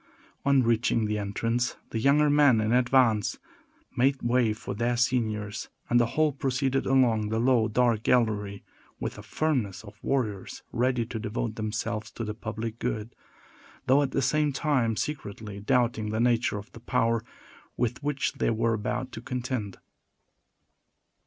On reaching the entrance, the younger men in advance made way for their seniors; and the whole proceeded along the low, dark gallery, with the firmness of warriors ready to devote themselves to the public good, though, at the same time, secretly doubting the nature of the power with which they were about to contend.